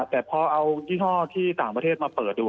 แต่พอเอายี่ห้อที่ต่างประเทศมาเปิดดู